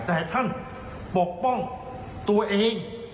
แต่ท่านปกป้องตัวเอง